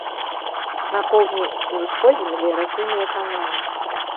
На поўдні і ўсходзе меліярацыйныя каналы.